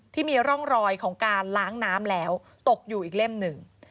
ที่มีร่องรอยของการล้างน้ำแล้วตกอยู่อีกเล่มหนึ่ง